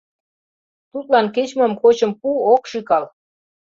Тудлан кеч-мом кочым пу — ок шӱкал.